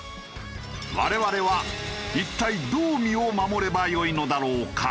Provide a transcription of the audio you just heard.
我々は一体どう身を守ればよいのだろうか？